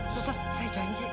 suster saya janji